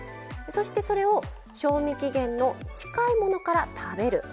そしてそれを賞味期限の近いものから食べる。